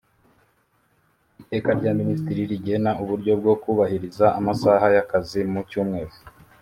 iteka rya minisitiri rigena uburyo bwo kubahiriza amasaha y akazi mu cyumweru